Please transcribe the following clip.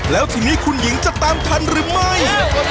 แล้วทีนี้คุณหญิงจะตามทันหรือไม่